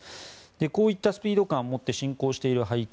こういったスピード感を持って進行している背景